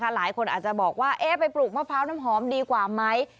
หลายคนอาจจะบอกว่าไปปลูกมะพร้าวน้ำหอมดีกว่าไหม